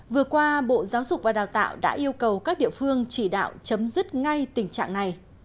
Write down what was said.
vừa qua bộ giáo dục và đào tạo đã yêu cầu các địa phương chỉ đạo chấm dứt ngay tình trạng này